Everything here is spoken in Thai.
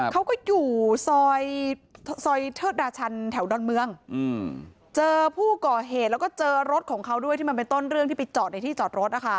เขาก็อยู่ซอยซอยเทิดราชันแถวดอนเมืองเจอผู้ก่อเหตุแล้วก็เจอรถของเขาด้วยที่มันเป็นต้นเรื่องที่ไปจอดในที่จอดรถนะคะ